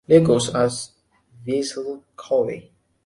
League as "Vissel Kobe".